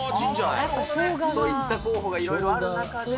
そういった候補がいろいろある中で。